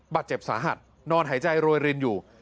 บาดเจ็บสาหัสนอนหายใจโรยรินอยู่